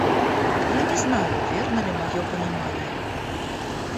Я не знаю, верно ли мое понимание.